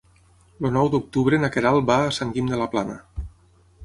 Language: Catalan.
El nou d'octubre na Queralt va a Sant Guim de la Plana.